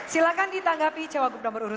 silahkan ditanggapi jawab nomor dua